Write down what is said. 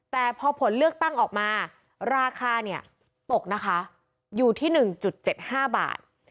แต่พอผลเลือกตั้งออกมาราคาเนี่ยตกนะคะอยู่ที่๑๗๕บาท